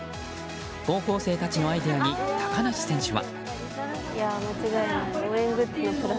高校生たちのアイデアに高梨選手は。